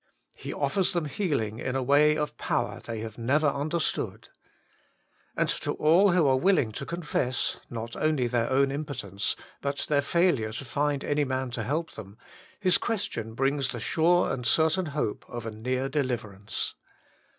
He offers them healing in a way of power they have never understood. And to all who are willing to confess, not only their own impotence, but their failure to find any man to help them, His question brings the sure and certain hope of a near deliverance.